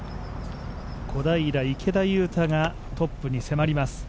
小平、池田勇太がトップに迫ります。